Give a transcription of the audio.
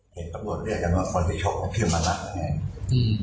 เห็นตำรวจเรียกกันว่าคนที่ชกก็เพียงมันรักอย่างนี้